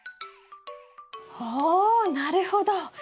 ほおなるほど。